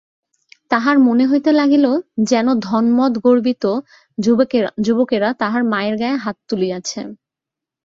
তাহার মনে হইতে লাগিল যেন ধনমদগর্বিত যুবকেরা তাহার মায়ের গায়ে হাত তুলিয়াছে।